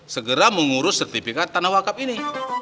segera mengurus sertifikat tanah wakaf ini